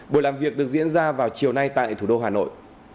buổi làm việc được diễn ra vào chiều nay tại thủ đô hà nội